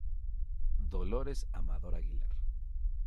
Dolores Amador Aguilar, Profr.